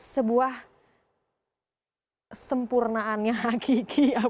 sebuah sempurnaannya kiki